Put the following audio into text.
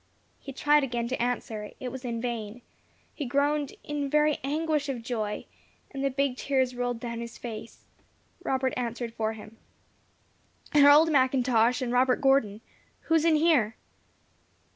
He tried again to answer; it was in vain. He groaned in very anguish of joy, and the big tears rolled down his face. Robert answered for him. "Harold McIntosh and Robert Gordon. Who is in here?"